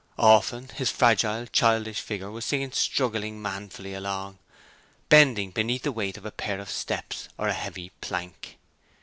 Often his fragile, childish figure was seen staggering manfully along, bending beneath the weight of a pair of steps or a heavy plank.